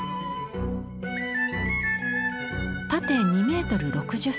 縦２ｍ６０ｃｍ。